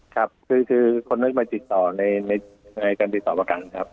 ครับคือคนนึงไปติดต่อในการติดต่อประกันครับ